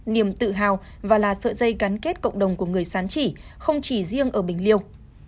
niềm tự hào và là sợi dây gắn kết cộng đồng của người sán chỉ không chỉ riêng ở bình liêu